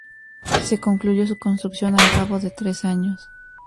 Se concluyó su construcción al cabo de tres años.